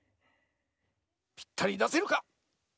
ぴったりだせるか！？